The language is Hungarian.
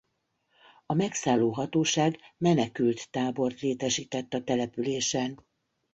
A megszálló hatóság menekülttábort létesített a településen.